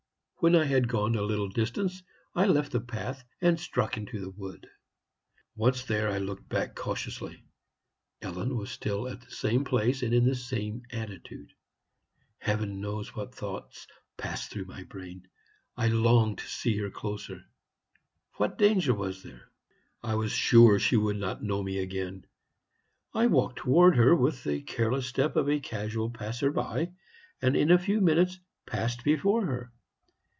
When I had gone a little distance, I left the path and struck into the wood. Once there, I looked back cautiously. Ellen was still at the same place and in the same attitude. Heaven knows what thoughts passed through my brain! I longed to see her closer. What danger was there? I was sure she would not know me again. I walked towards her with the careless step of a casual passer by, and in a few minutes passed before her.